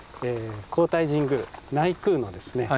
皇大神宮内宮のですね